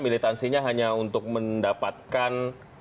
militansinya hanya untuk mendapatkan